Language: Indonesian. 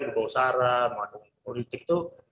bawa saran mau nguritik tuh